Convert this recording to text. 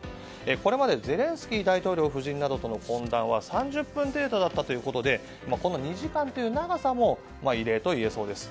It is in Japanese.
これまでゼレンスキー大統領夫人との懇談は３０分程度だったということで２時間という長さも異例といえそうです。